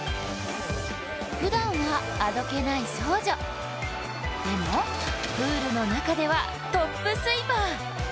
ふだんはあどけない少女、でもプールの中ではトップスイマー。